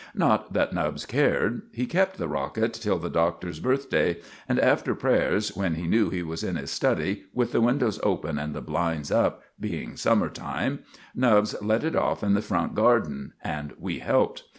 Not that Nubbs cared. He kept the rocket till the Doctor's birthday, and after prayers, when he knew he was in his study, with the windows open and the blinds up, being summer time, Nubbs let it off in the front garden, and we helped.